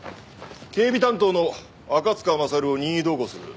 警備担当の赤塚勝を任意同行する。